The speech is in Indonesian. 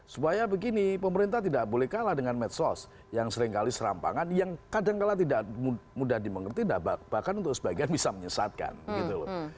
supaya begini pemerintah tidak boleh kalah dengan medsos yang seringkali serampangan yang kadangkala tidak mudah dimengerti bahkan untuk sebagian bisa menyesatkan gitu loh